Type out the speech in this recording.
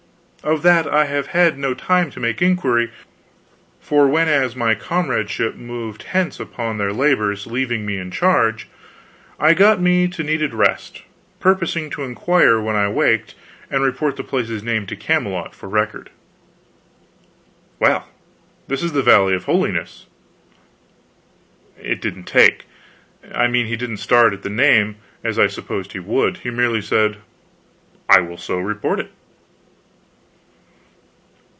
"Of that I have had no time to make inquiry; for whenas my comradeship moved hence upon their labors, leaving me in charge, I got me to needed rest, purposing to inquire when I waked, and report the place's name to Camelot for record." "Well, this is the Valley of Holiness." It didn't take; I mean, he didn't start at the name, as I had supposed he would. He merely said: "I will so report it."